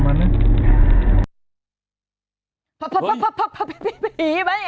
แผดผีมั้ย